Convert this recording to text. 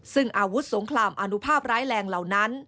ซึ่งอาวุธสงครามอนุภาพร้ายแรงเหล่านั้น